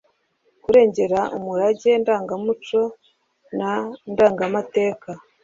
kurengera umurage ndangamuco na ndangamateka